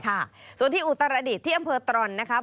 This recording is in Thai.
ค่ะส่วนที่อุตรดิษฐ์ที่อำเภอตรอนนะครับ